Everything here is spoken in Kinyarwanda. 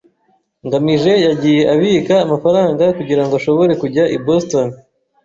[S] ngamije yagiye abika amafaranga kugirango ashobore kujya i Boston.